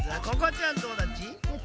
ここちゃんどうだっち？